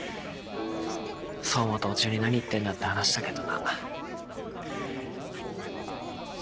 走馬灯中に何言ってんだって話だけどな。